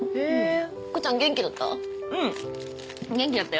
福ちゃん元気だった？